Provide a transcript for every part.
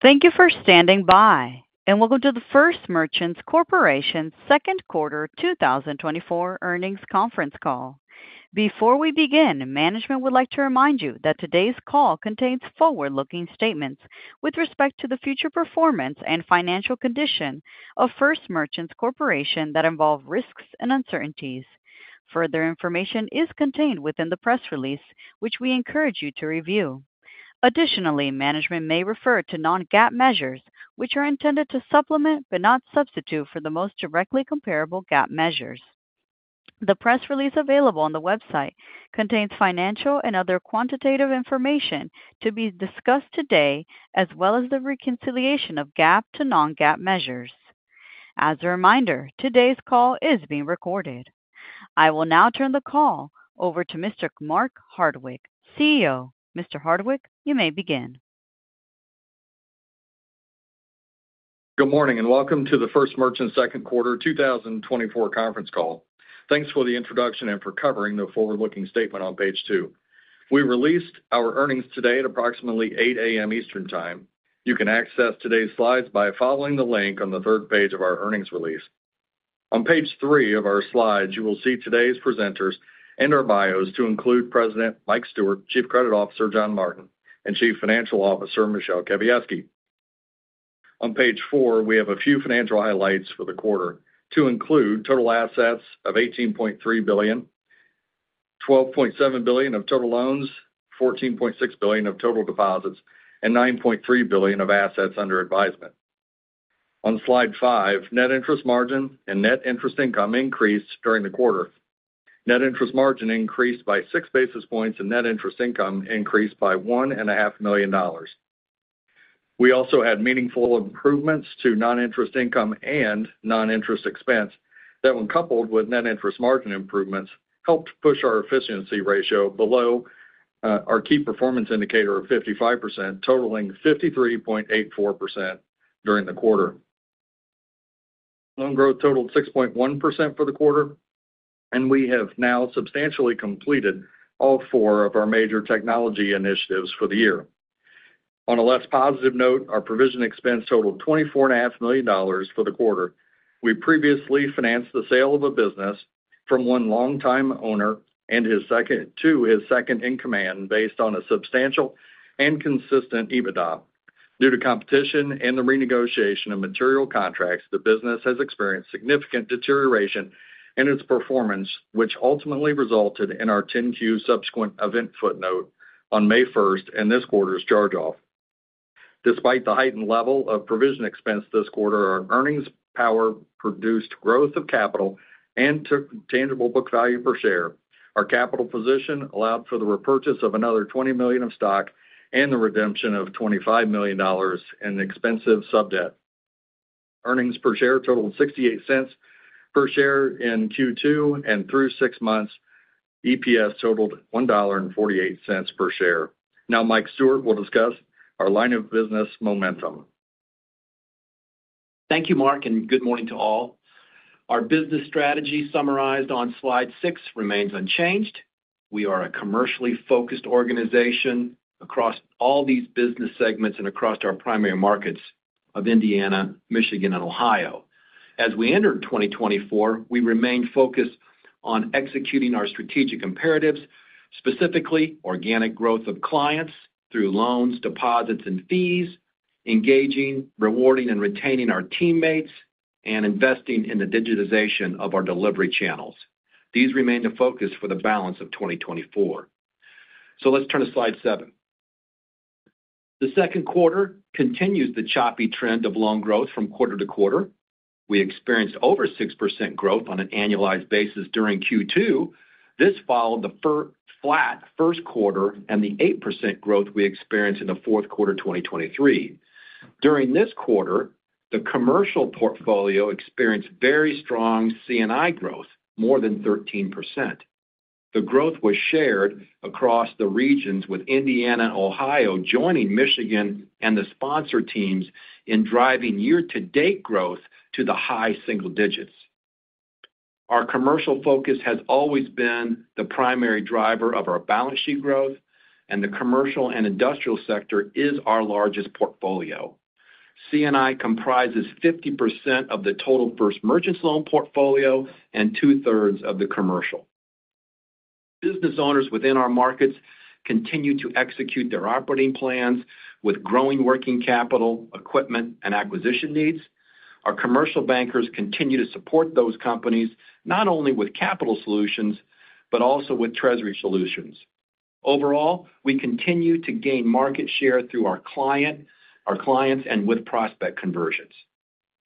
Thank you for standing by, and welcome to the First Merchants Corporation's Second Quarter 2024 Earnings Conference Call. Before we begin, management would like to remind you that today's call contains forward-looking statements with respect to the future performance and financial condition of First Merchants Corporation that involve risks and uncertainties. Further information is contained within the press release, which we encourage you to review. Additionally, management may refer to non-GAAP measures, which are intended to supplement but not substitute for the most directly comparable GAAP measures. The press release available on the website contains financial and other quantitative information to be discussed today, as well as the reconciliation of GAAP to non-GAAP measures. As a reminder, today's call is being recorded. I will now turn the call over to Mr. Mark Hardwick, CEO. Mr. Hardwick, you may begin. Good morning and welcome to the First Merchants second quarter 2024 conference call. Thanks for the introduction and for covering the forward-looking statement on page two. We released our earnings today at approximately 8:00 A.M. Eastern Time. You can access today's slides by following the link on the third page of our earnings release. On page three of our slides, you will see today's presenters and our bios to include President Mike Stewart, Chief Credit Officer John Martin, and Chief Financial Officer Michele Kawiecki. On page four, we have a few financial highlights for the quarter to include total assets of $18.3 billion, $12.7 billion of total loans, $14.6 billion of total deposits, and $9.3 billion of assets under advisement. On slide five, net interest margin and net interest income increased during the quarter. Net interest margin increased by six basis points and net interest income increased by $1.5 million. We also had meaningful improvements to non-interest income and non-interest expense that, when coupled with net interest margin improvements, helped push our efficiency ratio below our key performance indicator of 55%, totaling 53.84% during the quarter. Loan growth totaled 6.1% for the quarter, and we have now substantially completed all four of our major technology initiatives for the year. On a less positive note, our provision expense totaled $24.5 million for the quarter. We previously financed the sale of a business from one longtime owner and to his second-in-command based on a substantial and consistent EBITDA. Due to competition and the renegotiation of material contracts, the business has experienced significant deterioration in its performance, which ultimately resulted in our 10-Q subsequent event footnote on May 1st and this quarter's charge-off. Despite the heightened level of provision expense this quarter, our earnings power produced growth of capital and tangible book value per share. Our capital position allowed for the repurchase of another $20 million of stock and the redemption of $25 million in expensive sub-debt. Earnings per share totaled $0.68 per share in Q2, and through six months, EPS totaled $1.48 per share. Now, Mike Stewart will discuss our line of business momentum. Thank you, Mark, and good morning to all. Our business strategy summarized on slide six remains unchanged. We are a commercially focused organization across all these business segments and across our primary markets of Indiana, Michigan, and Ohio. As we entered 2024, we remained focused on executing our strategic imperatives, specifically organic growth of clients through loans, deposits, and fees, engaging, rewarding, and retaining our teammates, and investing in the digitization of our delivery channels. These remain the focus for the balance of 2024. So let's turn to slide seven. The second quarter continues the choppy trend of loan growth from quarter to quarter. We experienced over 6% growth on an annualized basis during Q2. This followed the flat first quarter and the 8% growth we experienced in the fourth quarter 2023. During this quarter, the commercial portfolio experienced very strong C&I growth, more than 13%. The growth was shared across the regions with Indiana and Ohio, joining Michigan and the sponsor teams in driving year-to-date growth to the high single digits. Our commercial focus has always been the primary driver of our balance sheet growth, and the commercial and industrial sector is our largest portfolio. C&I comprises 50% of the total First Merchants loan portfolio and 2/3 of the commercial. Business owners within our markets continue to execute their operating plans with growing working capital, equipment, and acquisition needs. Our commercial bankers continue to support those companies not only with capital solutions but also with treasury solutions. Overall, we continue to gain market share through our clients, and with prospect conversions.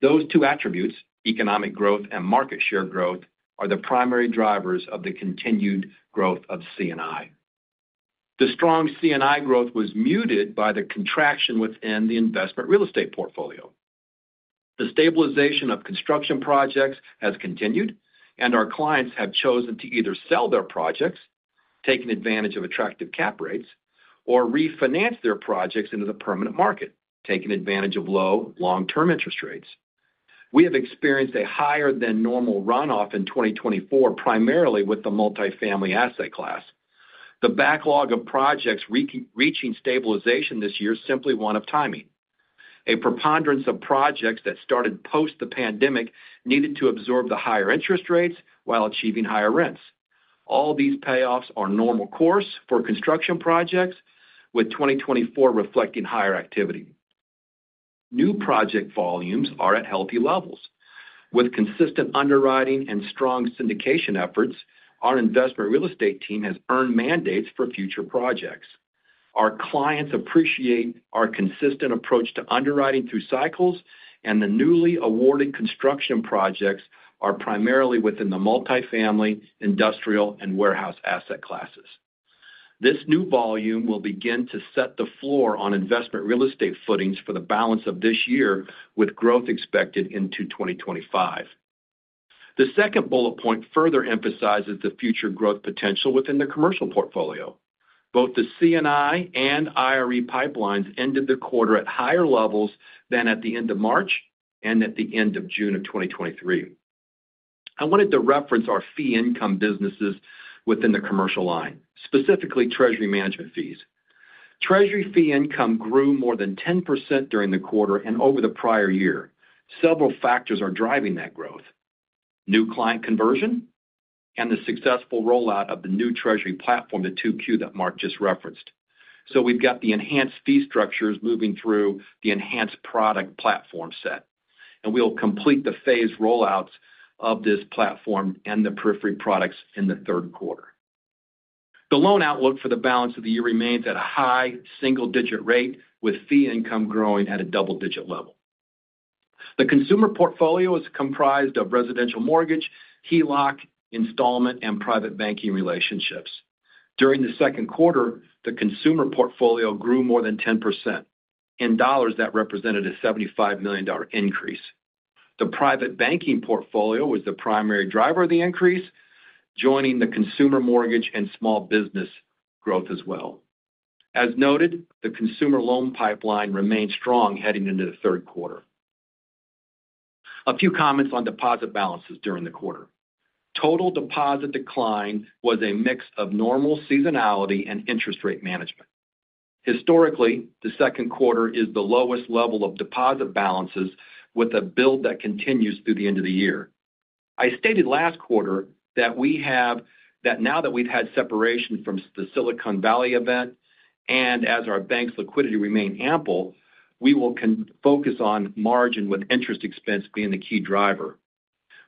Those two attributes, economic growth and market share growth, are the primary drivers of the continued growth of C&I. The strong C&I growth was muted by the contraction within the investment real estate portfolio. The stabilization of construction projects has continued, and our clients have chosen to either sell their projects, taking advantage of attractive cap rates, or refinance their projects into the permanent market, taking advantage of low long-term interest rates. We have experienced a higher-than-normal run-off in 2024, primarily with the multifamily asset class. The backlog of projects reaching stabilization this year is simply one of timing. A preponderance of projects that started post the pandemic needed to absorb the higher interest rates while achieving higher rents. All these payoffs are normal course for construction projects, with 2024 reflecting higher activity. New project volumes are at healthy levels. With consistent underwriting and strong syndication efforts, our investment real estate team has earned mandates for future projects. Our clients appreciate our consistent approach to underwriting through cycles, and the newly awarded construction projects are primarily within the multifamily, industrial, and warehouse asset classes. This new volume will begin to set the floor on investment real estate footings for the balance of this year, with growth expected into 2025. The second bullet point further emphasizes the future growth potential within the commercial portfolio. Both the C&I and IRE pipelines ended the quarter at higher levels than at the end of March and at the end of June of 2023. I wanted to reference our fee income businesses within the commercial line, specifically treasury management fees. Treasury fee income grew more than 10% during the quarter and over the prior year. Several factors are driving that growth: new client conversion and the successful rollout of the new treasury platform to Q2 that Mark just referenced. So we've got the enhanced fee structures moving through the enhanced product platform set, and we'll complete the phased rollouts of this platform and the periphery products in the third quarter. The loan outlook for the balance of the year remains at a high single-digit rate, with fee income growing at a double-digit level. The consumer portfolio is comprised of residential mortgage, HELOC, installment, and private banking relationships. During the second quarter, the consumer portfolio grew more than 10% in dollars; that represented a $75 million increase. The private banking portfolio was the primary driver of the increase, joining the consumer mortgage and small business growth as well. As noted, the consumer loan pipeline remained strong heading into the third quarter. A few comments on deposit balances during the quarter. Total deposit decline was a mix of normal seasonality and interest rate management. Historically, the second quarter is the lowest level of deposit balances, with a build that continues through the end of the year. I stated last quarter that we have that now that we've had separation from the Silicon Valley event and as our bank's liquidity remained ample, we will focus on margin with interest expense being the key driver.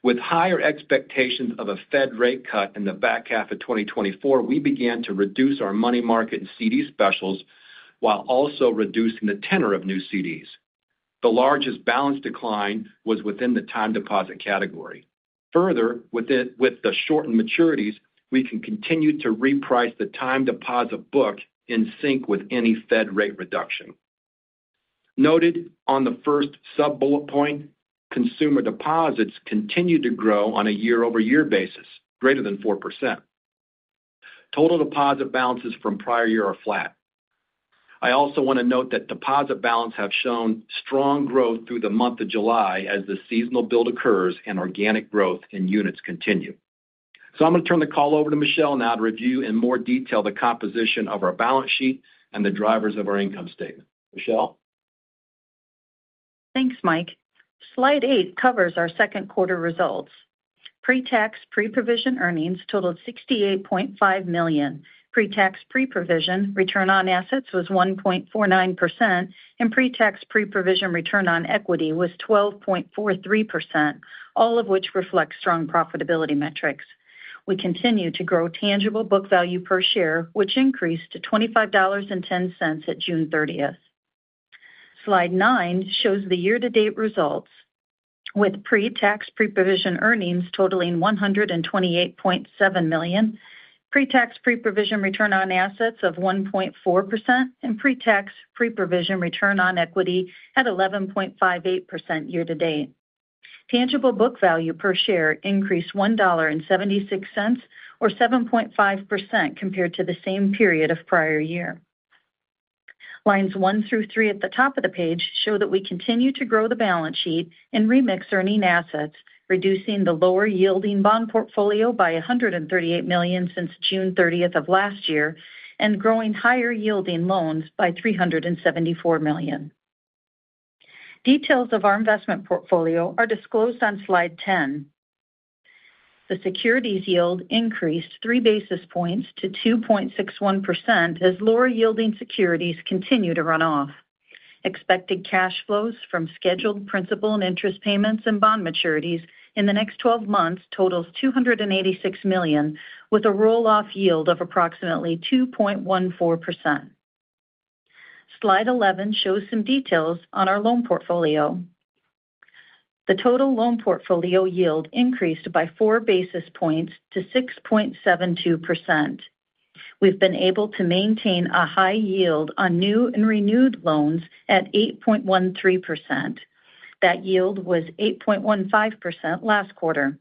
With higher expectations of a Fed rate cut in the back half of 2024, we began to reduce our money market and CD specials while also reducing the tenor of new CDs. The largest balance decline was within the time deposit category. Further, with the shortened maturities, we can continue to reprice the time deposit book in sync with any Fed rate reduction. Noted on the first sub-bullet point, consumer deposits continue to grow on a year-over-year basis, greater than 4%. Total deposit balances from prior year are flat. I also want to note that deposit balances have shown strong growth through the month of July as the seasonal build occurs and organic growth in units continues. So I'm going to turn the call over to Michele now to review in more detail the composition of our balance sheet and the drivers of our income statement. Michele? Thanks, Mike. Slide eight covers our second quarter results. Pre-tax pre-provision earnings totaled $68.5 million. Pre-tax pre-provision return on assets was 1.49%, and pre-tax pre-provision return on equity was 12.43%, all of which reflects strong profitability metrics. We continue to grow tangible book value per share, which increased to $25.10 at June 30th. Slide nine shows the year-to-date results, with pre-tax pre-provision earnings totaling $128.7 million, pre-tax pre-provision return on assets of 1.4%, and pre-tax pre-provision return on equity at 11.58% year-to-date. Tangible book value per share increased $1.76, or 7.5% compared to the same period of prior year. Lines one through three at the top of the page show that we continue to grow the balance sheet and remix earning assets, reducing the lower-yielding bond portfolio by $138 million since June 30th of last year and growing higher-yielding loans by $374 million. Details of our investment portfolio are disclosed on slide 10. The securities yield increased 3 basis points to 2.61% as lower-yielding securities continue to run off. Expected cash flows from scheduled principal and interest payments and bond maturities in the next 12 months total $286 million, with a roll-off yield of approximately 2.14%. Slide 11 shows some details on our loan portfolio. The total loan portfolio yield increased by 4 basis points to 6.72%. We've been able to maintain a high yield on new and renewed loans at 8.13%. That yield was 8.15% last quarter.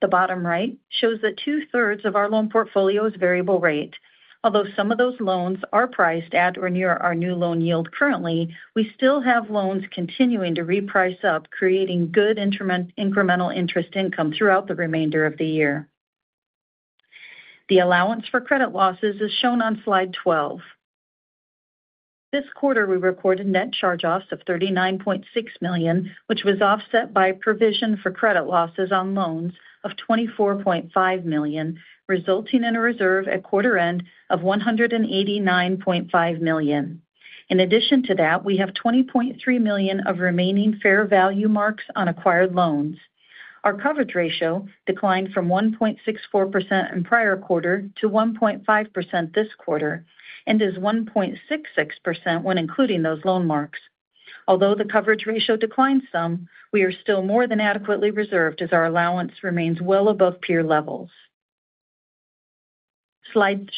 The bottom right shows that 2/3 of our loan portfolio is variable rate. Although some of those loans are priced at or near our new loan yield currently, we still have loans continuing to reprice up, creating good incremental interest income throughout the remainder of the year. The allowance for credit losses is shown on Slide 12. This quarter, we recorded net charge-offs of $39.6 million, which was offset by provision for credit losses on loans of $24.5 million, resulting in a reserve at quarter-end of $189.5 million. In addition to that, we have $20.3 million of remaining fair value marks on acquired loans. Our coverage ratio declined from 1.64% in prior quarter to 1.5% this quarter and is 1.66% when including those loan marks. Although the coverage ratio declined some, we are still more than adequately reserved as our allowance remains well above peer levels. Slide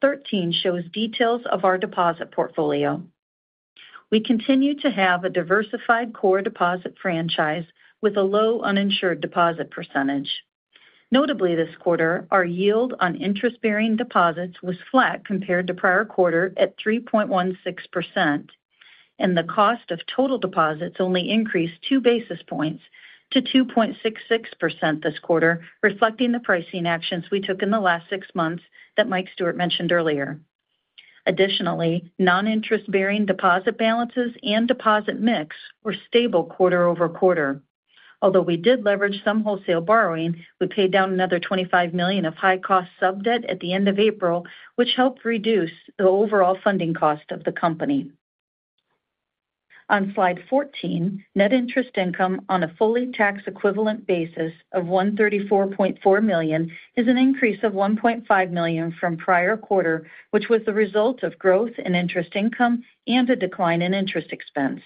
13 shows details of our deposit portfolio. We continue to have a diversified core deposit franchise with a low uninsured deposit percentage. Notably, this quarter, our yield on interest-bearing deposits was flat compared to prior quarter at 3.16%, and the cost of total deposits only increased two basis points to 2.66% this quarter, reflecting the pricing actions we took in the last six months that Mike Stewart mentioned earlier. Additionally, non-interest-bearing deposit balances and deposit mix were stable quarter-over-quarter. Although we did leverage some wholesale borrowing, we paid down another $25 million of high-cost sub-debt at the end of April, which helped reduce the overall funding cost of the company. On slide 14, net interest income on a fully tax-equivalent basis of $134.4 million is an increase of $1.5 million from prior quarter, which was the result of growth in interest income and a decline in interest expense.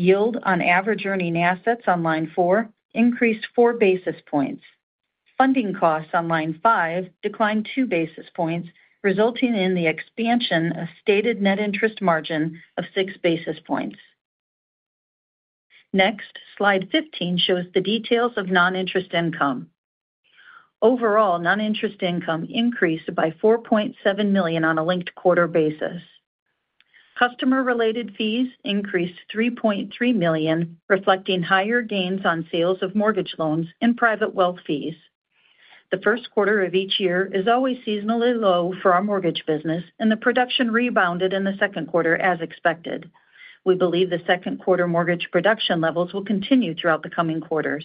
Yield on average earning assets on line four increased 4 basis points. Funding costs on line five declined 2 basis points, resulting in the expansion of stated net interest margin of 6 basis points. Next, slide 15 shows the details of non-interest income. Overall, non-interest income increased by $4.7 million on a linked quarter basis. Customer-related fees increased $3.3 million, reflecting higher gains on sales of mortgage loans and private wealth fees. The first quarter of each year is always seasonally low for our mortgage business, and the production rebounded in the second quarter as expected. We believe the second quarter mortgage production levels will continue throughout the coming quarters.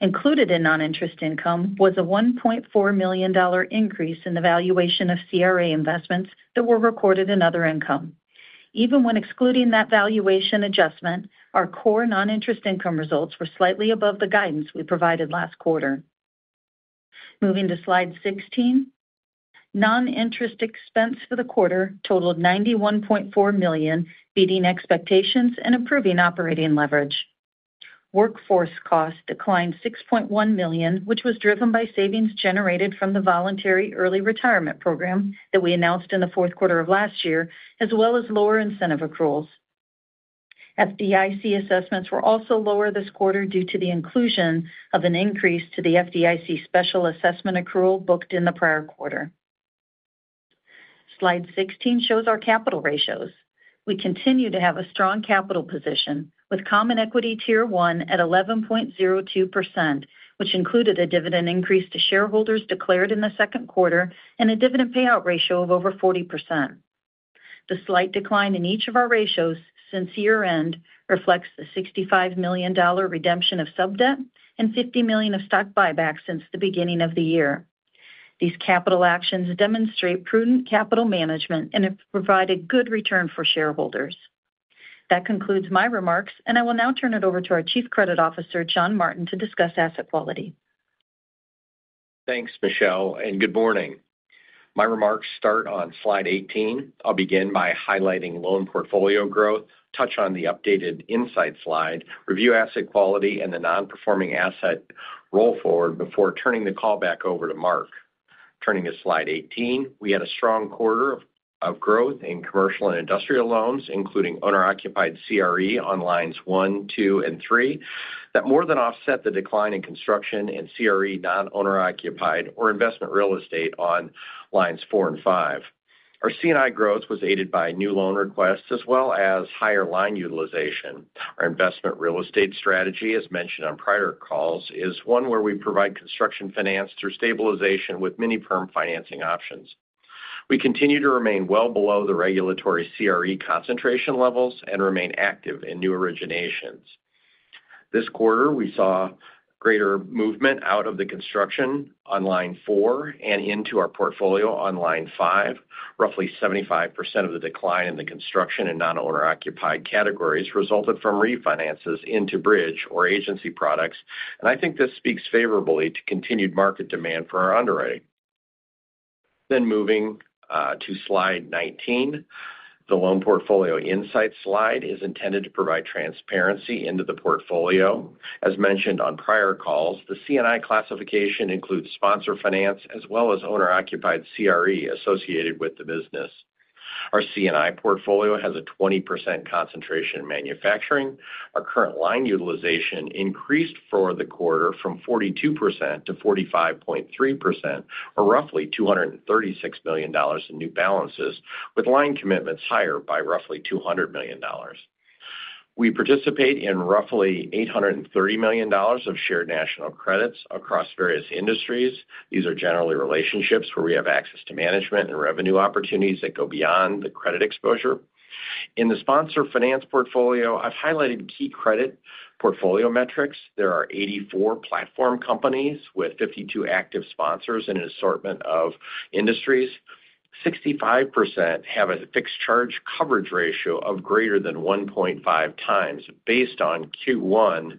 Included in non-interest income was a $1.4 million increase in the valuation of CRA investments that were recorded in other income. Even when excluding that valuation adjustment, our core non-interest income results were slightly above the guidance we provided last quarter. Moving to slide 16, non-interest expense for the quarter totaled $91.4 million, beating expectations and improving operating leverage. Workforce costs declined $6.1 million, which was driven by savings generated from the voluntary early retirement program that we announced in the fourth quarter of last year, as well as lower incentive accruals. FDIC assessments were also lower this quarter due to the inclusion of an increase to the FDIC special assessment accrual booked in the prior quarter. Slide 16 shows our capital ratios. We continue to have a strong capital position with common equity tier one at 11.02%, which included a dividend increase to shareholders declared in the second quarter and a dividend payout ratio of over 40%. The slight decline in each of our ratios since year-end reflects the $65 million redemption of sub-debt and $50 million of stock buyback since the beginning of the year. These capital actions demonstrate prudent capital management and have provided good return for shareholders. That concludes my remarks, and I will now turn it over to our Chief Credit Officer, John Martin, to discuss asset quality. Thanks, Michele, and good morning. My remarks start on slide 18. I'll begin by highlighting loan portfolio growth, touch on the updated insight slide, review asset quality, and the non-performing asset roll forward before turning the call back over to Mark. Turning to slide 18, we had a strong quarter of growth in commercial and industrial loans, including owner-occupied CRE on lines one, two, and three that more than offset the decline in construction and CRE non-owner-occupied or investment real estate on lines four and five. Our C&I growth was aided by new loan requests as well as higher line utilization. Our investment real estate strategy, as mentioned on prior calls, is one where we provide construction finance through stabilization with mini-perm financing options. We continue to remain well below the regulatory CRE concentration levels and remain active in new originations. This quarter, we saw greater movement out of the construction on line 4 and into our portfolio on line 5. Roughly 75% of the decline in the construction and non-owner-occupied categories resulted from refinances into bridge or agency products, and I think this speaks favorably to continued market demand for our underwriting. Then moving to slide 19, the loan portfolio insight slide is intended to provide transparency into the portfolio. As mentioned on prior calls, the C&I classification includes sponsor finance as well as owner-occupied CRE associated with the business. Our C&I portfolio has a 20% concentration in manufacturing. Our current line utilization increased for the quarter from 42%-45.3%, or roughly $236 million in new balances, with line commitments higher by roughly $200 million. We participate in roughly $830 million of shared national credits across various industries. These are generally relationships where we have access to management and revenue opportunities that go beyond the credit exposure. In the sponsor finance portfolio, I've highlighted key credit portfolio metrics. There are 84 platform companies with 52 active sponsors in an assortment of industries. 65% have a fixed charge coverage ratio of greater than 1.5x based on Q1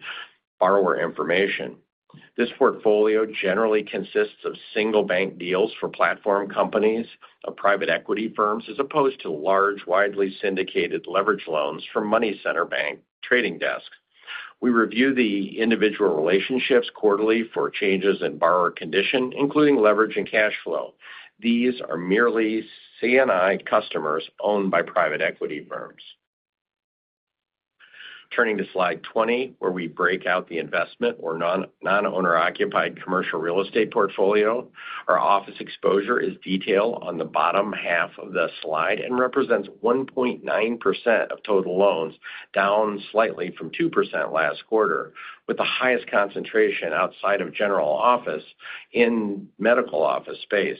borrower information. This portfolio generally consists of single-bank deals for platform companies of private equity firms as opposed to large, widely syndicated leveraged loans from money center bank trading desks. We review the individual relationships quarterly for changes in borrower condition, including leverage and cash flow. These are merely C&I customers owned by private equity firms. Turning to slide 20, where we break out the investment or non-owner-occupied commercial real estate portfolio, our office exposure is detailed on the bottom half of the slide and represents 1.9% of total loans, down slightly from 2% last quarter, with the highest concentration outside of general office in medical office space.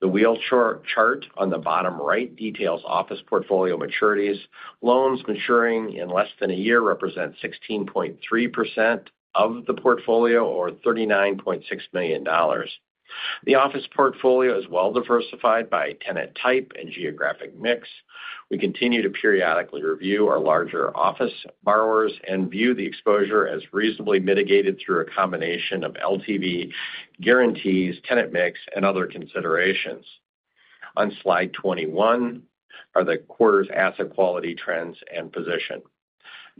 The wheel chart on the bottom right details office portfolio maturities. Loans maturing in less than a year represent 16.3% of the portfolio, or $39.6 million. The office portfolio is well diversified by tenant type and geographic mix. We continue to periodically review our larger office borrowers and view the exposure as reasonably mitigated through a combination of LTV guarantees, tenant mix, and other considerations. On slide 21 are the quarter's asset quality trends and position.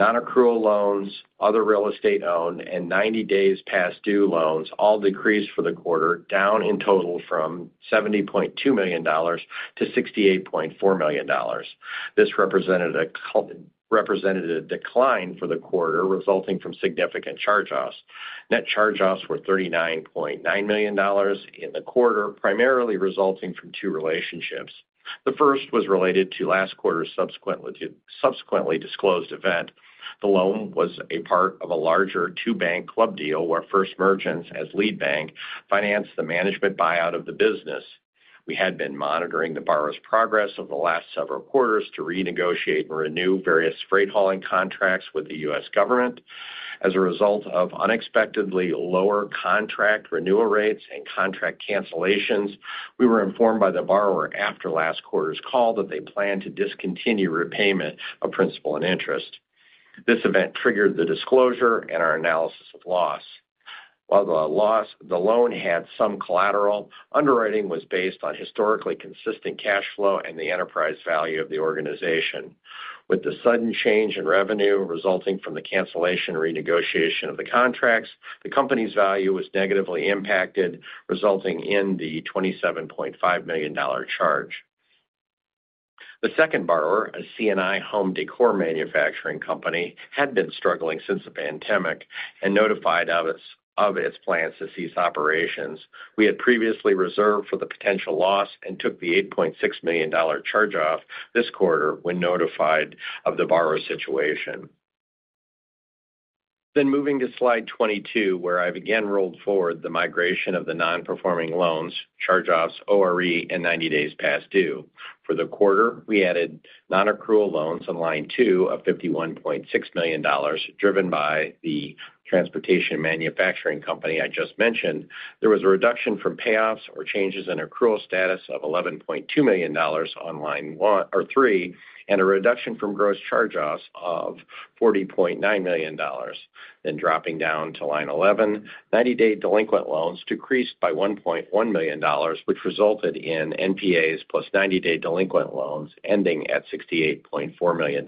Non-accrual loans, other real estate owned, and 90 days past due loans all decreased for the quarter, down in total from $70.2 million to $68.4 million. This represented a decline for the quarter resulting from significant charge-offs. Net charge-offs were $39.9 million in the quarter, primarily resulting from two relationships. The first was related to last quarter's subsequently disclosed event. The loan was a part of a larger two-bank club deal where First Merchants, as lead bank, financed the management buyout of the business. We had been monitoring the borrower's progress over the last several quarters to renegotiate and renew various freight hauling contracts with the U.S. government. As a result of unexpectedly lower contract renewal rates and contract cancellations, we were informed by the borrower after last quarter's call that they planned to discontinue repayment of principal and interest. This event triggered the disclosure and our analysis of loss. While the loan had some collateral, underwriting was based on historically consistent cash flow and the enterprise value of the organization. With the sudden change in revenue resulting from the cancellation renegotiation of the contracts, the company's value was negatively impacted, resulting in the $27.5 million charge. The second borrower, a C&I home décor manufacturing company, had been struggling since the pandemic and notified of its plans to cease operations. We had previously reserved for the potential loss and took the $8.6 million charge-off this quarter when notified of the borrower's situation. Then moving to slide 22, where I've again rolled forward the migration of the non-performing loans, charge-offs, ORE, and 90 days past due. For the quarter, we added non-accrual loans on line two of $51.6 million, driven by the transportation manufacturing company I just mentioned. There was a reduction from payoffs or changes in accrual status of $11.2 million on line three, and a reduction from gross charge-offs of $40.9 million. Then dropping down to line 11, 90-day delinquent loans decreased by $1.1 million, which resulted in NPAs plus 90-day delinquent loans ending at $68.4 million.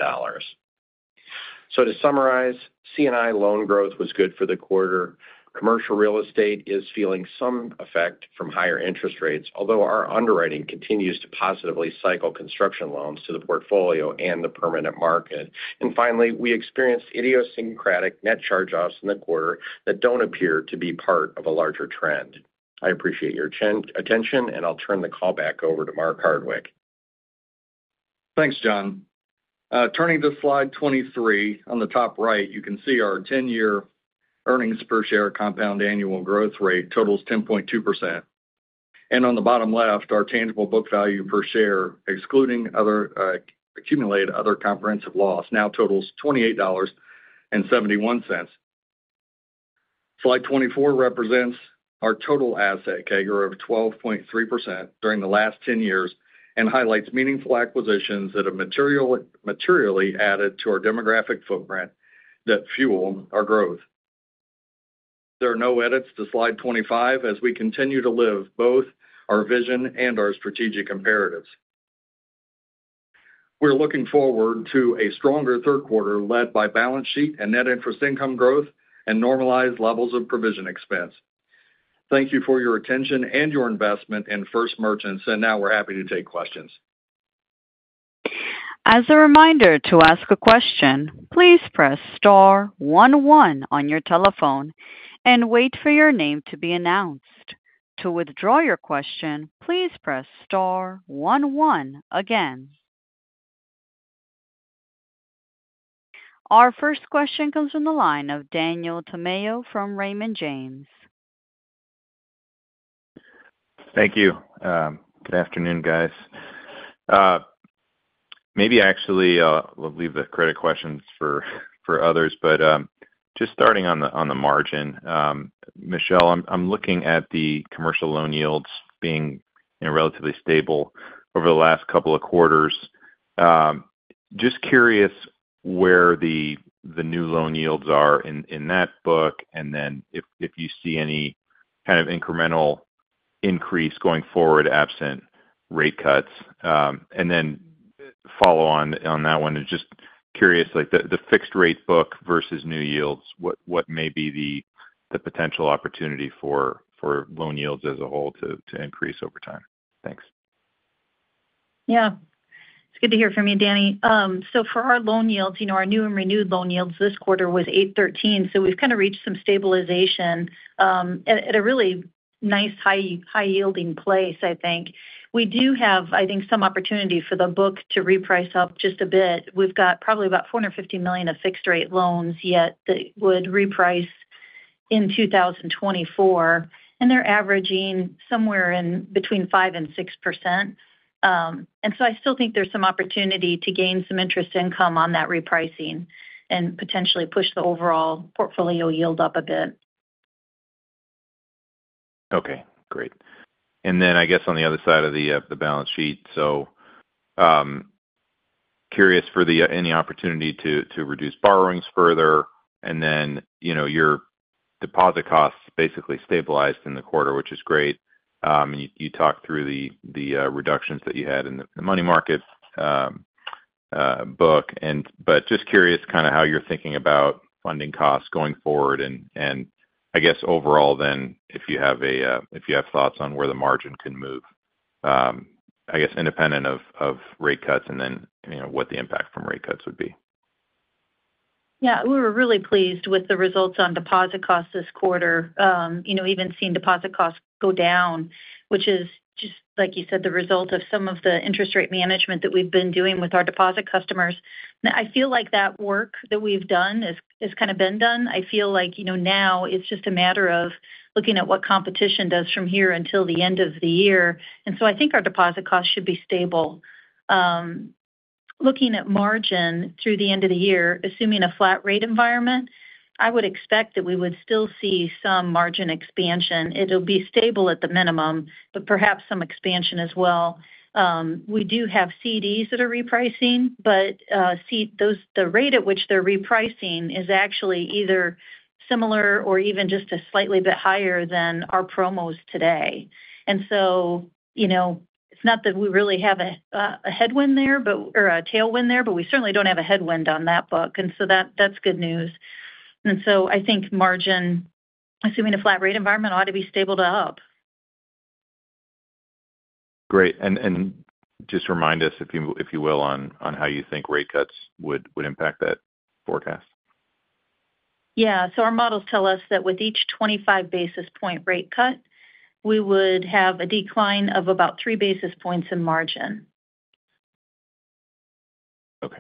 So to summarize, C&I loan growth was good for the quarter. Commercial real estate is feeling some effect from higher interest rates, although our underwriting continues to positively cycle construction loans to the portfolio and the permanent market. And finally, we experienced idiosyncratic net charge-offs in the quarter that don't appear to be part of a larger trend. I appreciate your attention, and I'll turn the call back over to Mark Hardwick. Thanks, John. Turning to Slide 23, on the top right, you can see our 10-year earnings per share compound annual growth rate totals 10.2%. On the bottom left, our tangible book value per share, excluding other accumulated other comprehensive loss, now totals $28.71. Slide 24 represents our total asset CAGR of 12.3% during the last 10 years and highlights meaningful acquisitions that have materially added to our demographic footprint that fuel our growth. There are no edits to Slide 25 as we continue to live both our vision and our strategic imperatives. We're looking forward to a stronger third quarter led by balance sheet and net interest income growth and normalized levels of provision expense. Thank you for your attention and your investment in First Merchants, and now we're happy to take questions. As a reminder to ask a question, please press star 11 on your telephone and wait for your name to be announced. To withdraw your question, please press star 11 again. Our first question comes from the line of Daniel Tamayo from Raymond James. Thank you. Good afternoon, guys. Maybe actually we'll leave the credit questions for others, but just starting on the margin, Michele, I'm looking at the commercial loan yields being relatively stable over the last couple of quarters. Just curious where the new loan yields are in that book, and then if you see any kind of incremental increase going forward absent rate cuts. And then follow on that one, and just curious, the fixed rate book versus new yields, what may be the potential opportunity for loan yields as a whole to increase over time? Thanks. Yeah. It's good to hear from you, Danny. So for our loan yields, our new and renewed loan yields this quarter was 8.13%, so we've kind of reached some stabilization at a really nice high-yielding place, I think. We do have, I think, some opportunity for the book to reprice up just a bit. We've got probably about $450 million of fixed-rate loans yet that would reprice in 2024, and they're averaging somewhere between 5%-6%. And so I still think there's some opportunity to gain some interest income on that repricing and potentially push the overall portfolio yield up a bit. Okay. Great. And then I guess on the other side of the balance sheet, so curious for any opportunity to reduce borrowings further, and then your deposit costs basically stabilized in the quarter, which is great. You talked through the reductions that you had in the money market book, but just curious kind of how you're thinking about funding costs going forward, and I guess overall then if you have thoughts on where the margin can move, I guess independent of rate cuts and then what the impact from rate cuts would be. Yeah. We were really pleased with the results on deposit costs this quarter, even seeing deposit costs go down, which is just, like you said, the result of some of the interest rate management that we've been doing with our deposit customers. I feel like that work that we've done has kind of been done. I feel like now it's just a matter of looking at what competition does from here until the end of the year. And so I think our deposit costs should be stable. Looking at margin through the end of the year, assuming a flat rate environment, I would expect that we would still see some margin expansion. It'll be stable at the minimum, but perhaps some expansion as well. We do have CDs that are repricing, but the rate at which they're repricing is actually either similar or even just a slightly bit higher than our promos today. It's not that we really have a headwind there or a tailwind there, but we certainly don't have a headwind on that book, and so that's good news. I think margin, assuming a flat rate environment, ought to be stable to up. Great. Just remind us, if you will, on how you think rate cuts would impact that forecast? Yeah. So our models tell us that with each 25 basis points rate cut, we would have a decline of about 3 basis points in margin. Okay.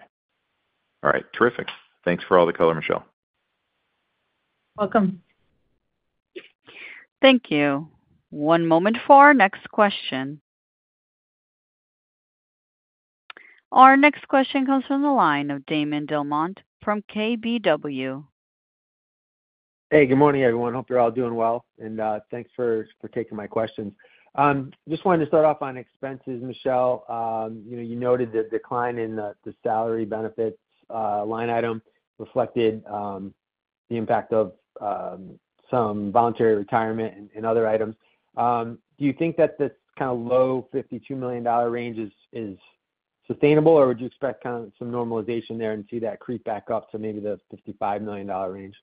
All right. Terrific. Thanks for all the color, Michele. Welcome. Thank you. One moment for our next question. Our next question comes from the line of Damon DelMonte from KBW. Hey, good morning, everyone. Hope you're all doing well, and thanks for taking my questions. Just wanted to start off on expenses, Michele. You noted the decline in the salary benefits line item reflected the impact of some voluntary retirement and other items. Do you think that this kind of low $52 million range is sustainable, or would you expect kind of some normalization there and see that creep back up to maybe the $55 million range?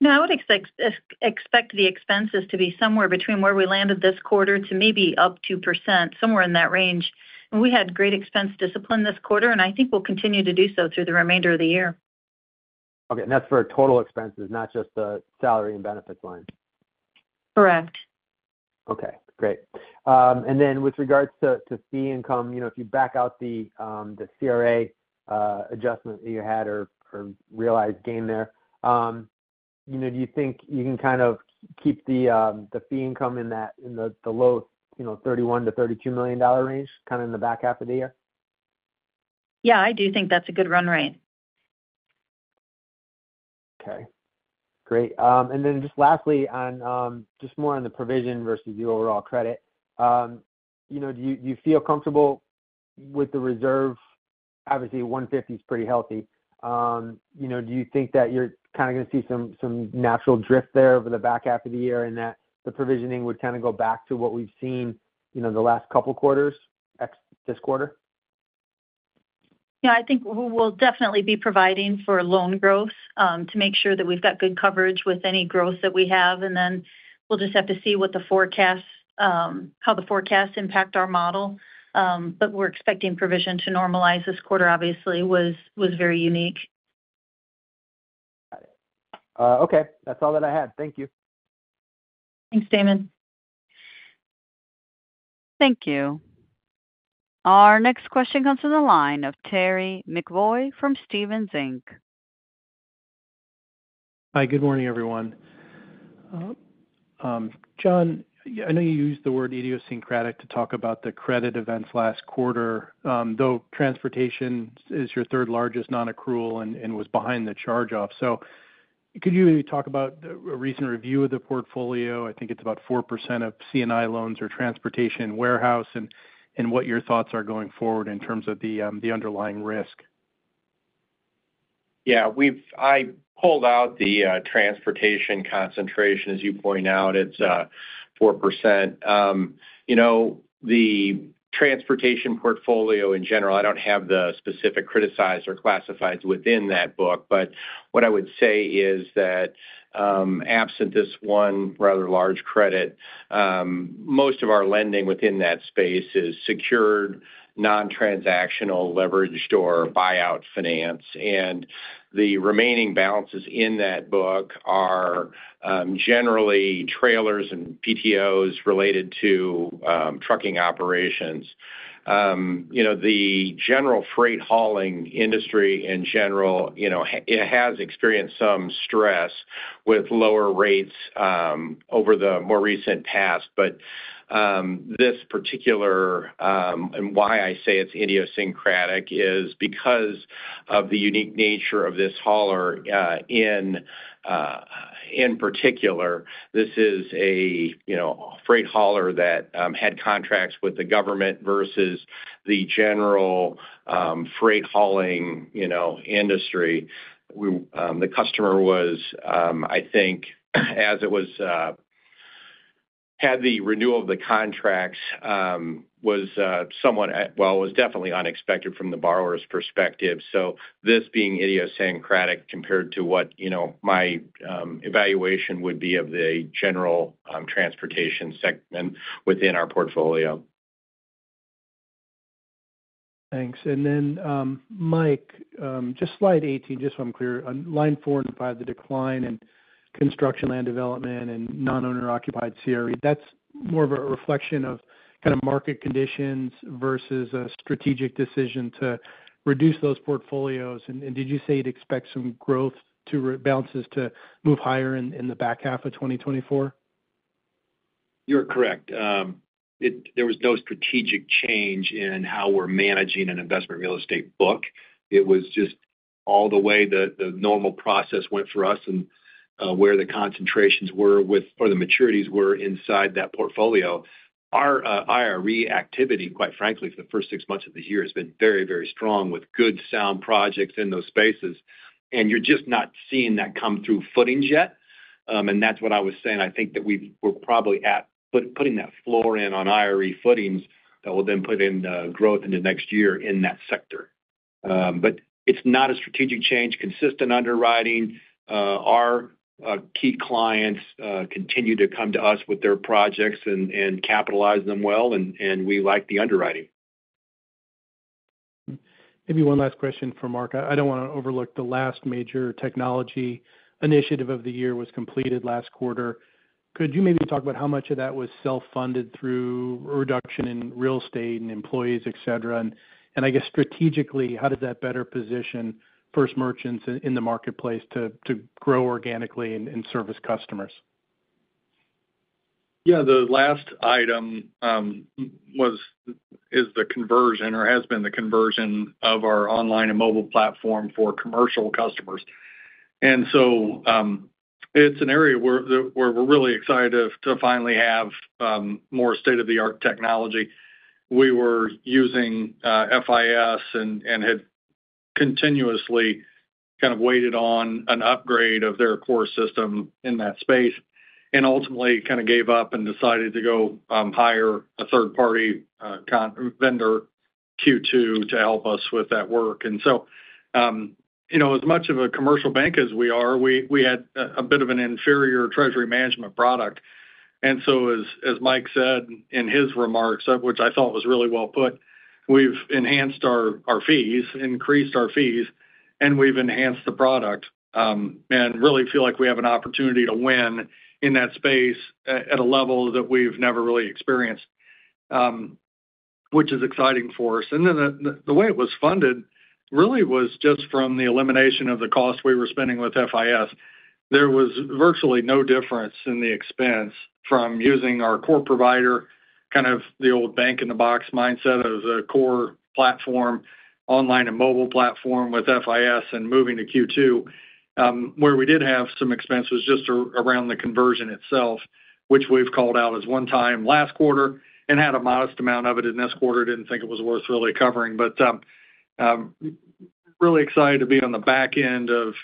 No, I would expect the expenses to be somewhere between where we landed this quarter to maybe up 2%, somewhere in that range. And we had great expense discipline this quarter, and I think we'll continue to do so through the remainder of the year. Okay. And that's for total expenses, not just the salary and benefits line? Correct. Okay. Great. And then with regards to fee income, if you back out the CRA adjustment that you had or realized gain there, do you think you can kind of keep the fee income in the low $31 million-$32 million range, kind of in the back half of the year? Yeah, I do think that's a good run rate. Okay. Great. And then just lastly, just more on the provision versus the overall credit, do you feel comfortable with the reserve? Obviously, 150 is pretty healthy. Do you think that you're kind of going to see some natural drift there over the back half of the year and that the provisioning would kind of go back to what we've seen the last couple of quarters this quarter? Yeah. I think we'll definitely be providing for loan growth to make sure that we've got good coverage with any growth that we have, and then we'll just have to see how the forecasts impact our model. But we're expecting provision to normalize this quarter, obviously, was very unique. Got it. Okay. That's all that I had. Thank you. Thanks, Damon. Thank you. Our next question comes from the line of Terry McEvoy from Stephens Inc. Hi. Good morning, everyone. John, I know you used the word idiosyncratic to talk about the credit events last quarter, though transportation is your third largest non-accrual and was behind the charge-off. So could you talk about a recent review of the portfolio? I think it's about 4% of C&I loans or transportation warehouse and what your thoughts are going forward in terms of the underlying risk? Yeah. I pulled out the transportation concentration, as you point out. It's 4%. The transportation portfolio in general, I don't have the specific criticized or classifieds within that book, but what I would say is that absent this one rather large credit, most of our lending within that space is secured non-transactional leveraged or buyout finance. And the remaining balances in that book are generally trailers and PTOs related to trucking operations. The general freight hauling industry in general, it has experienced some stress with lower rates over the more recent past. But this particular, and why I say it's idiosyncratic, is because of the unique nature of this hauler in particular. This is a freight hauler that had contracts with the government versus the general freight hauling industry. The customer was, I think, as it was, had the renewal of the contracts, was somewhat, well, was definitely unexpected from the borrower's perspective. So this being idiosyncratic compared to what my evaluation would be of the general transportation segment within our portfolio. Thanks. And then Mike, just slide 18, just so I'm clear, on line four and five, the decline in construction land development and non-owner-occupied CRE, that's more of a reflection of kind of market conditions versus a strategic decision to reduce those portfolios. And did you say you'd expect some growth balances to move higher in the back half of 2024? You're correct. There was no strategic change in how we're managing an investment real estate book. It was just all the way the normal process went for us and where the concentrations were or the maturities were inside that portfolio. Our IRE activity, quite frankly, for the first six months of the year has been very, very strong with good, sound projects in those spaces, and you're just not seeing that come through footings yet. And that's what I was saying. I think that we're probably at putting that floor in on IRE footings that will then put in growth in the next year in that sector. But it's not a strategic change, consistent underwriting. Our key clients continue to come to us with their projects and capitalize them well, and we like the underwriting. Maybe one last question for Mark. I don't want to overlook the last major technology initiative of the year was completed last quarter. Could you maybe talk about how much of that was self-funded through reduction in real estate and employees, etc.? And I guess strategically, how does that better position First Merchants in the marketplace to grow organically and service customers? Yeah. The last item is the conversion or has been the conversion of our online and mobile platform for commercial customers. And so it's an area where we're really excited to finally have more state-of-the-art technology. We were using FIS and had continuously kind of waited on an upgrade of their core system in that space and ultimately kind of gave up and decided to go hire a third-party vendor, Q2, to help us with that work. And so as much of a commercial bank as we are, we had a bit of an inferior treasury management product. And so as Mike said in his remarks, which I thought was really well put, we've enhanced our fees, increased our fees, and we've enhanced the product and really feel like we have an opportunity to win in that space at a level that we've never really experienced, which is exciting for us. And then the way it was funded really was just from the elimination of the cost we were spending with FIS. There was virtually no difference in the expense from using our core provider, kind of the old bank-in-the-box mindset of the core platform, online and mobile platform with FIS and moving to Q2. Where we did have some expense was just around the conversion itself, which we've called out as one-time last quarter and had a modest amount of it in this quarter. Didn't think it was worth really covering, but really excited to be on the back end of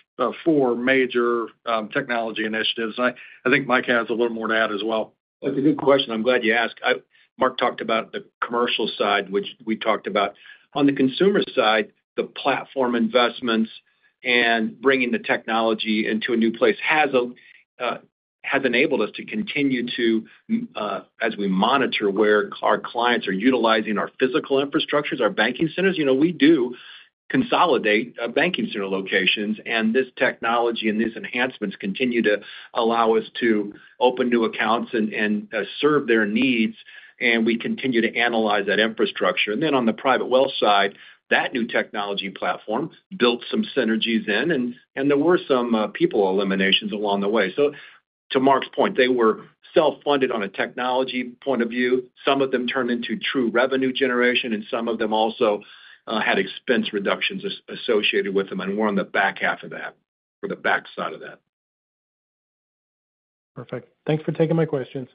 four major technology initiatives. I think Mike has a little more to add as well. That's a good question. I'm glad you asked. Mark talked about the commercial side, which we talked about. On the consumer side, the platform investments and bringing the technology into a new place has enabled us to continue to, as we monitor where our clients are utilizing our physical infrastructures, our banking centers. We do consolidate banking center locations, and this technology and these enhancements continue to allow us to open new accounts and serve their needs, and we continue to analyze that infrastructure. And then on the private wealth side, that new technology platform built some synergies in, and there were some people eliminations along the way. To Mark's point, they were self-funded on a technology point of view. Some of them turned into true revenue generation, and some of them also had expense reductions associated with them and were on the back half of that or the back side of that. Perfect. Thanks for taking my questions.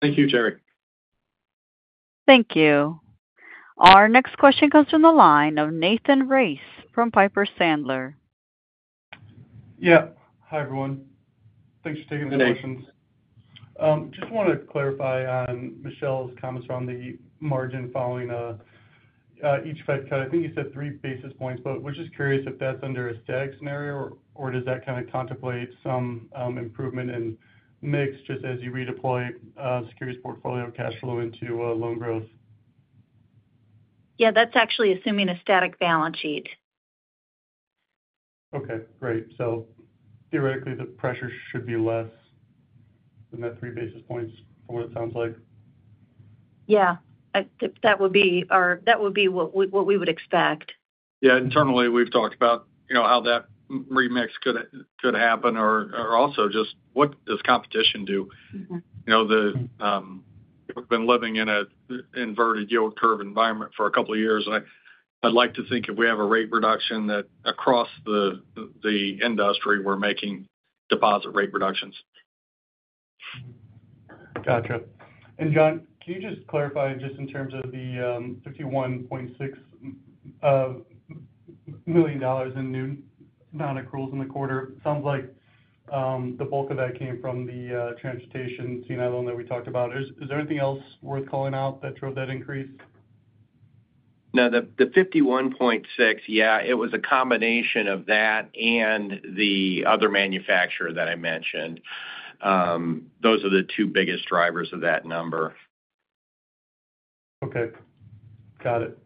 Thank you, Terry. Thank you. Our next question comes from the line of Nathan Race from Piper Sandler. Yeah. Hi, everyone. Thanks for taking the questions. Good day. Just want to clarify on Michele's comments around the margin following each Fed cut. I think you said 3 basis points, but we're just curious if that's under a static scenario or does that kind of contemplate some improvement in mix just as you redeploy securities portfolio cash flow into loan growth? Yeah. That's actually assuming a static balance sheet. Okay. Great. Theoretically, the pressure should be less than that 3 basis points from what it sounds like. Yeah. That would be what we would expect. Yeah. Internally, we've talked about how that remix could happen or also just what does competition do. We've been living in an inverted yield curve environment for a couple of years. I'd like to think if we have a rate reduction, that across the industry, we're making deposit rate reductions. Gotcha. And John, can you just clarify just in terms of the $51.6 million in new non-accruals in the quarter? Sounds like the bulk of that came from the transportation C&I loan that we talked about. Is there anything else worth calling out that drove that increase? No. The $51.6, yeah, it was a combination of that and the other manufacturer that I mentioned. Those are the two biggest drivers of that number. Okay. Got it.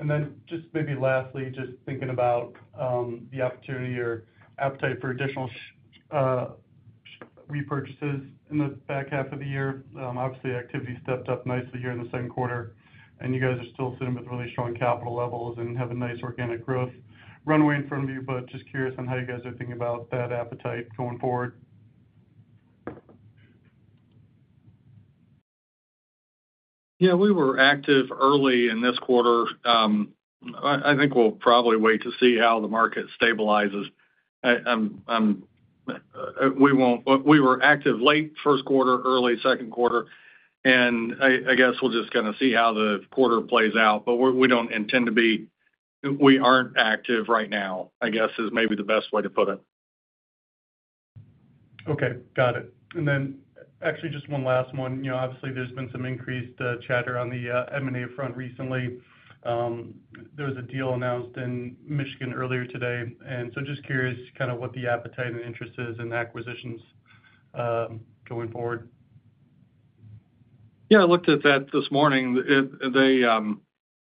And then just maybe lastly, just thinking about the opportunity or appetite for additional repurchases in the back half of the year. Obviously, activity stepped up nicely here in the second quarter, and you guys are still sitting with really strong capital levels and have a nice organic growth runway in front of you, but just curious on how you guys are thinking about that appetite going forward. Yeah. We were active early in this quarter. I think we'll probably wait to see how the market stabilizes. We were active late first quarter, early second quarter, and I guess we'll just kind of see how the quarter plays out. But we don't intend to be. We aren't active right now, I guess, is maybe the best way to put it. Okay. Got it. And then actually just one last one. Obviously, there's been some increased chatter on the M&A front recently. There was a deal announced in Michigan earlier today. And so just curious kind of what the appetite and interest is in acquisitions going forward? Yeah. I looked at that this morning.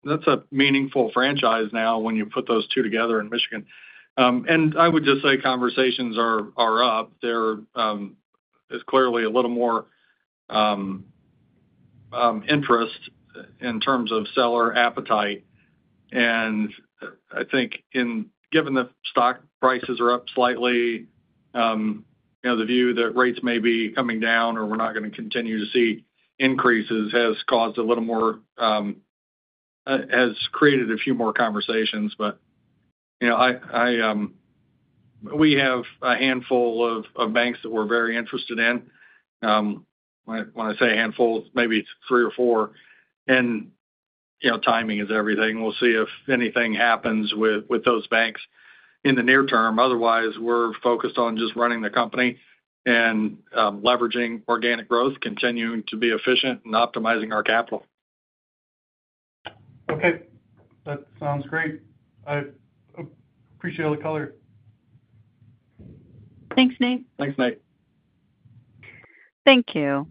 That's a meaningful franchise now when you put those two together in Michigan. And I would just say conversations are up. There is clearly a little more interest in terms of seller appetite. And I think given the stock prices are up slightly, the view that rates may be coming down or we're not going to continue to see increases has caused a little more, has created a few more conversations. But we have a handful of banks that we're very interested in. When I say a handful, maybe three or four. And timing is everything. We'll see if anything happens with those banks in the near term. Otherwise, we're focused on just running the company and leveraging organic growth, continuing to be efficient, and optimizing our capital. Okay. That sounds great. I appreciate all the color. Thanks, Nate. Thanks, Nate. Thank you.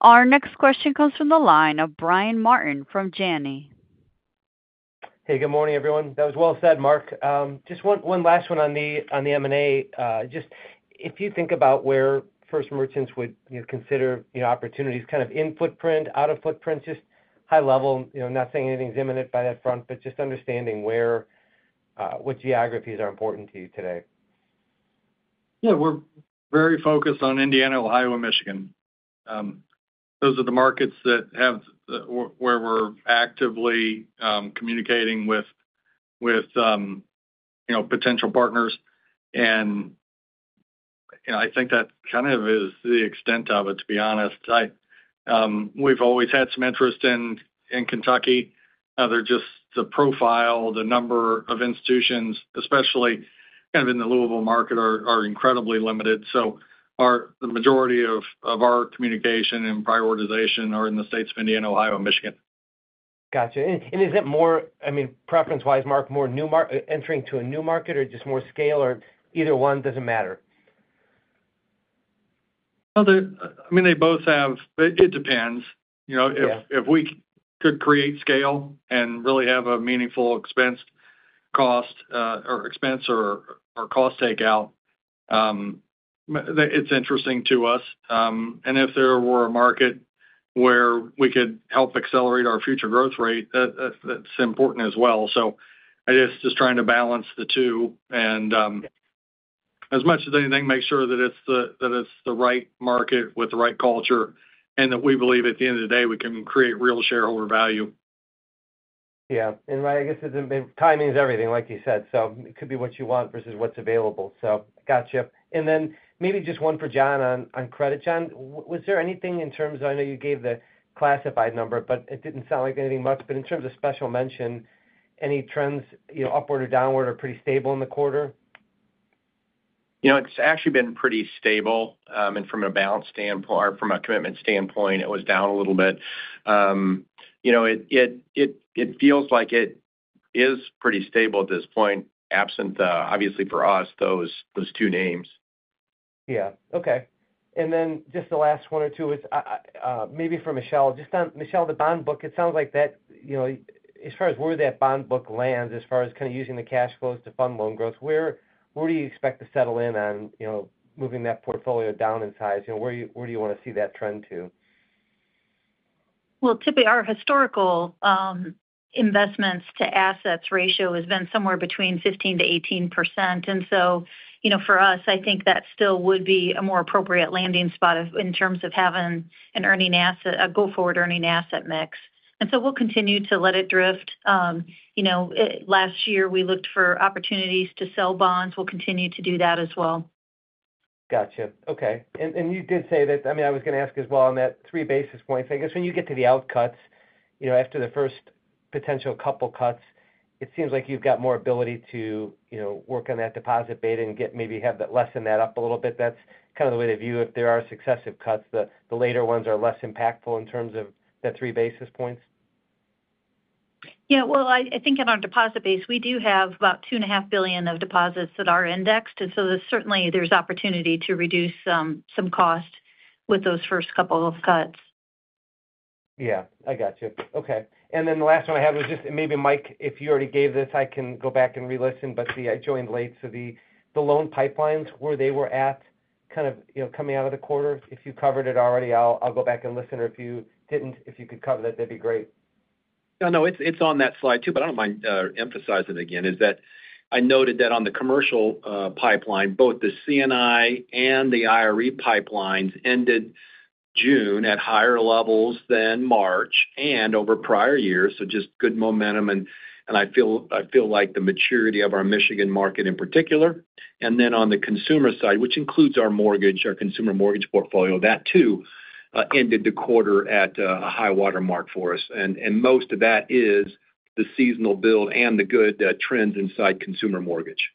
Our next question comes from the line of Brian Martin from Janney. Hey. Good morning, everyone. That was well said, Mark. Just one last one on the M&A. Just if you think about where First Merchants would consider opportunities kind of in footprint, out of footprint, just high level, not saying anything's imminent by that front, but just understanding what geographies are important to you today. Yeah. We're very focused on Indiana, Ohio, and Michigan. Those are the markets where we're actively communicating with potential partners. And I think that kind of is the extent of it, to be honest. We've always had some interest in Kentucky. Just the profile, the number of institutions, especially kind of in the Louisville market, are incredibly limited. So the majority of our communication and prioritization are in the states of Indiana, Ohio, and Michigan. Gotcha. And is it more, I mean, preference-wise, Mark, more entering to a new market or just more scale, or either one doesn't matter? I mean, they both have it depends. If we could create scale and really have a meaningful expense cost or expense or cost takeout, it's interesting to us. And if there were a market where we could help accelerate our future growth rate, that's important as well. So I guess just trying to balance the two and, as much as anything, make sure that it's the right market with the right culture and that we believe at the end of the day we can create real shareholder value. Yeah. And right, I guess timing is everything, like you said. So it could be what you want versus what's available. So gotcha. And then maybe just one for John on credit. John, was there anything in terms of, I know you gave the classified number, but it didn't sound like anything much. But in terms of special mention, any trends upward or downward or pretty stable in the quarter? It's actually been pretty stable. From a balance standpoint or from a commitment standpoint, it was down a little bit. It feels like it is pretty stable at this point, absent, obviously, for us, those two names. Yeah. Okay. And then just the last one or two is maybe for Michele. Just on, Michele, the bond book, it sounds like that as far as where that bond book lands, as far as kind of using the cash flows to fund loan growth, where do you expect to settle in on moving that portfolio down in size? Where do you want to see that trend to? Well, typically, our historical investments-to-assets ratio has been somewhere between 15%-18%. And so for us, I think that still would be a more appropriate landing spot in terms of having a go-forward earning asset mix. And so we'll continue to let it drift. Last year, we looked for opportunities to sell bonds. We'll continue to do that as well. Gotcha. Okay. And you did say that, I mean, I was going to ask as well on that 3 basis points. I guess when you get to the rate cuts, after the first potential couple cuts, it seems like you've got more ability to work on that deposit beta and maybe have that lessen that up a little bit. That's kind of the way to view if there are successive cuts, the later ones are less impactful in terms of the 3 basis points? Yeah. Well, I think on our deposit base, we do have about $2.5 billion of deposits that are indexed. And so certainly, there's opportunity to reduce some cost with those first couple of cuts. Yeah. I gotcha. Okay. And then the last one I had was just maybe Mike, if you already gave this, I can go back and relisten, but see, I joined late. So the loan pipelines, where they were at kind of coming out of the quarter, if you covered it already, I'll go back and listen. Or if you didn't, if you could cover that, that'd be great. Yeah. No, it's on that slide too, but I don't mind emphasizing it again. I noted that on the commercial pipeline, both the C&I and the IRE pipelines ended June at higher levels than March and over prior years. So just good momentum. And I feel like the maturity of our Michigan market in particular. And then on the consumer side, which includes our mortgage, our consumer mortgage portfolio, that too ended the quarter at a high watermark for us. And most of that is the seasonal build and the good trends inside consumer mortgage.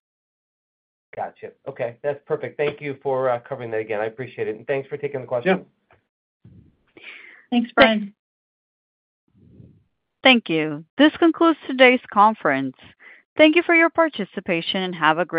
Gotcha. Okay. That's perfect. Thank you for covering that again. I appreciate it. Thanks for taking the question. Thanks, Brian. Thank you. This concludes today's conference. Thank you for your participation and have a great.